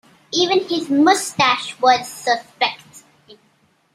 Even his mustache was suspect.